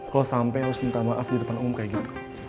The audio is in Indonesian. kok sampai harus minta maaf di depan umum kayak gitu